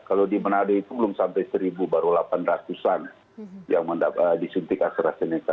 kalau di menado itu belum sampai seribu baru delapan ratus an yang disuntik astrazeneca